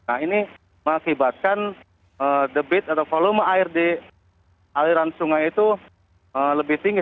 nah ini mengakibatkan debit atau volume air di aliran sungai itu lebih tinggi